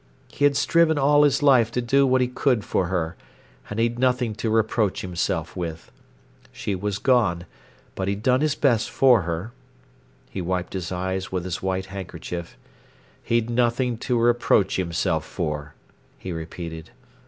He had striven all his life to do what he could for her, and he'd nothing to reproach himself with. She was gone, but he'd done his best for her. He wiped his eyes with his white handkerchief. He'd nothing to reproach himself for, he repeated.